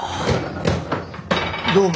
どうも。